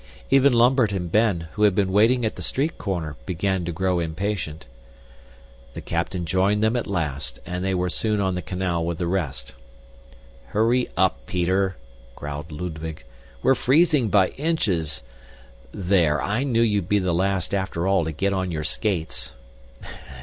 Even Lambert and Ben, who had been waiting at the street corner, began to grow impatient. The captain joined them at last and they were soon on the canal with the rest. "Hurry up, Peter," growled Ludwig. "We're freezing by inches there! I knew you'd be the last after all to get on your skates."